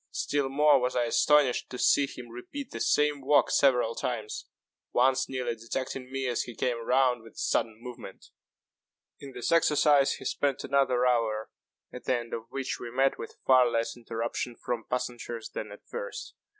Still more was I astonished to see him repeat the same walk several times once nearly detecting me as he came round with a sudden movement. In this exercise he spent another hour, at the end of which we met with far less interruption from passengers than at first.